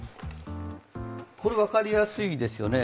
これ分かりやすいですよね。